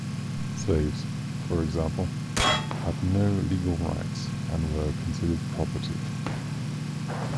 Slaves, for example, had no legal rights and were considered property.